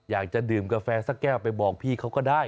อยากจะดื่มกาแฟสักแก้วไปบอกพี่เขาก็ได้